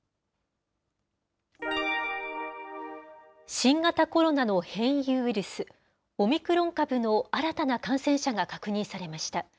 新型コロナの変異ウイルス、オミクロン株の新たな感染者が確認されました。